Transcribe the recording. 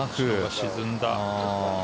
沈んだ。